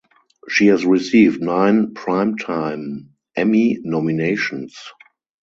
She has received nine Primetime Emmy nominations.